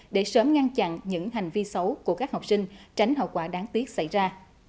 để sớm ngăn chặn những hành vi xấu của các học sinh tránh hậu quả đáng tiếc xảy ra